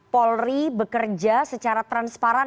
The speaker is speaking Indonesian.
polri bekerja secara transparan